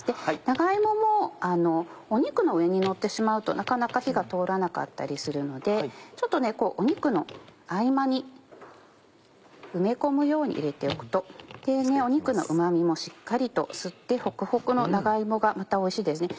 長芋も肉の上にのってしまうとなかなか火が通らなかったりするのでちょっと肉の合間に埋め込むように入れておくと肉のうま味もしっかりと吸ってほくほくの長芋がまたおいしいですね。